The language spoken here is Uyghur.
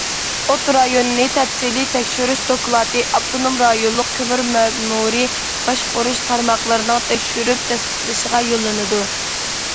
ئوت رايونىنى تەپسىلىي تەكشۈرۈش دوكلاتى ئاپتونوم رايونلۇق كۆمۈر مەمۇرىي باشقۇرۇش تارماقلىرىنىڭ تەكشۈرۈپ تەستىقلىشىغا يوللىنىدۇ.